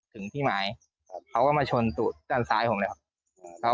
ถึงที่หมายเขาก็มาชนตูดด้านซ้ายผมแล้ว